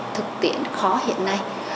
thực tiễn khó hiện nay